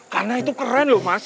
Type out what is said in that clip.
karena itu keren lho mas